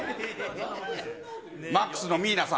マックスのミーナさん。